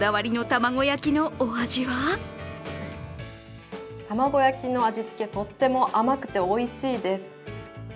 玉子焼きの味付けとっても甘くておいしいです。